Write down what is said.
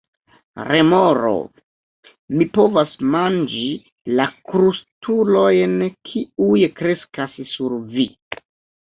Remoro: "Mi povas manĝi la krustulojn kiuj kreskas sur vi."